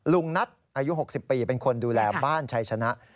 ลุงนัทอายุ๖๐ปีเป็นคนดูแลบ้านชัยชนะ